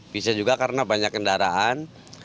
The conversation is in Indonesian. bisa juga karena banyak kendaraan